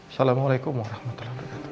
assalamualaikum warahmatullahi wabarakatuh